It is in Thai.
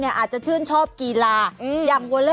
อาจจะชื่นชอบกีฬา